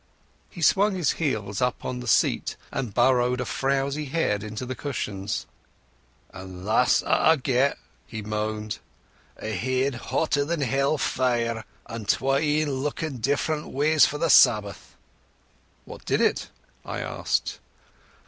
He swung his heels up on the seat, and burrowed a frowsy head into the cushions. "And that's a' I get," he moaned. "A heid better than hell fire, and twae een lookin' different ways for the Sabbath." "What did it?" I asked.